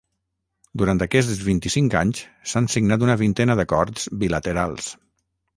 Durant aquests vint-i-cinc anys s’han signat una vintena d’acords bilaterals.